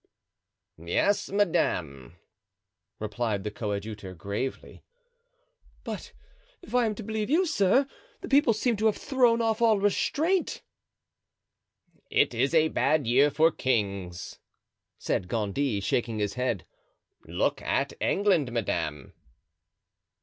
"Yes, madame," replied the coadjutor, gravely. "But if I am to believe you, sir, the people seem to have thrown off all restraint." "It is a bad year for kings," said Gondy, shaking his head; "look at England, madame."